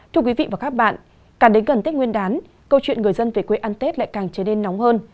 thưa quý vị và các bạn càng đến gần tết nguyên đán câu chuyện người dân về quê ăn tết lại càng trở nên nóng hơn